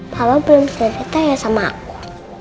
kalau belum cerita ya sama aku